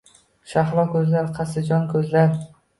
Shahlo ko’zlar, qasdi jon ko’zlar